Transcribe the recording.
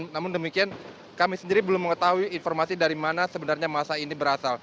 namun demikian kami sendiri belum mengetahui informasi dari mana sebenarnya masa ini berasal